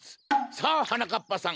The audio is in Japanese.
さあはなかっぱさん